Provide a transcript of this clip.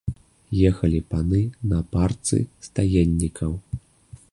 Ехалі паны на парцы стаеннікаў.